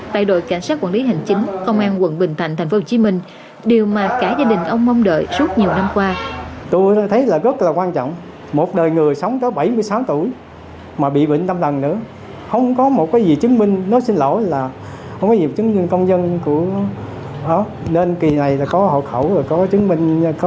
tại đội cảnh sát quản lý hành chính công an quận bình thạnh thành phố hồ chí minh